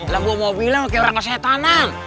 lah gua mau bilang kayak orangnya setanan